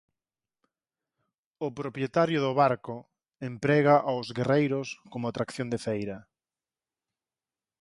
O propietario do barco emprega ós guerreiros como atracción de feira.